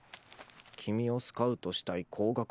「君をスカウトしたい高額保証」